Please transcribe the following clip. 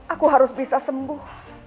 aku harus bisa sembuh